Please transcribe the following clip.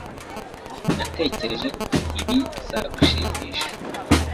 Natekereje ko ibi bizagushimisha.